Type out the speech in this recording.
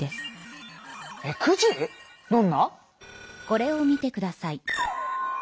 これを見てください。